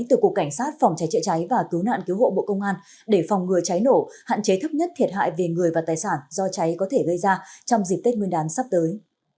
từ cục cảnh sát vòng trái hãy trái và cứu nạn cứu hộ bộ công an để phòng ngừa trái nổ hạn chế thấp nhất thiệt hại về người và tài sản do trái có thể gây ra trong dịp tết nguyên đán sắp tới